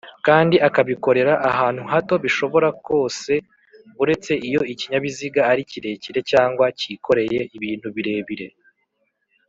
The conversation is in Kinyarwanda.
kdi akabikorera ahantu hato bishobora kose buretse iyo ikinyabiziga ari kirekire cg kikoreye ibintu birebire